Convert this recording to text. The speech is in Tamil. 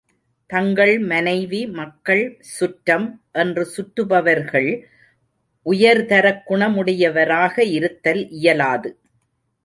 தங்கள் மனைவி, மக்கள், சுற்றம் என்று சுற்றுபவர்கள் உயர்தரக் குணமுடையவராக இருத்தல் இயலாது.